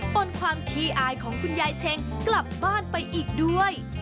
ปนความขี้อายของคุณยายเช็งกลับบ้านไปอีกด้วย